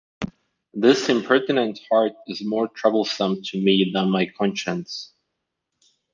This impertinent heart is more troublesome to me than my conscience.